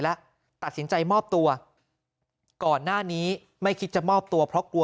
และตัดสินใจมอบตัวก่อนหน้านี้ไม่คิดจะมอบตัวเพราะกลัว